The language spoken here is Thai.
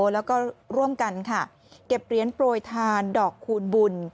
แล้วก็ร่วมกันค่ะเก็บเหรียญโปรยทานดอกคูณบุญ